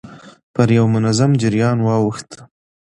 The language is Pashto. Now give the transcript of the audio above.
پر يوه منظم جريان واوښت.